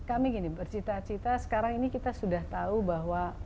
kami gini bercita cita sekarang ini kita sudah tahu bahwa